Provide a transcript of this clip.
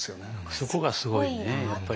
そこがすごいねやっぱり。